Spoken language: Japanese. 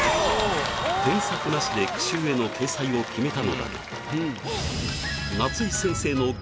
添削なしで句集への掲載を決めたのだが